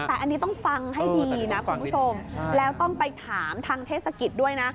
แต่อันนี้ต้องฟังให้ดีนะคุณผู้ชมแล้วต้องไปถามทางเทศกิจด้วยนะ